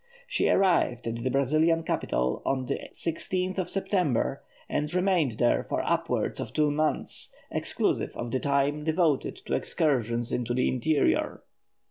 She arrived at the Brazilian capital on the 16th of September, and remained there for upwards of two months, exclusive of the time devoted to excursions into the interior.